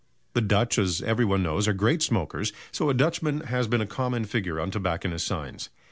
'" The Dutch, as every one knows, are great smokers, so a Dutchman has been a common figure on tobacconists' signs.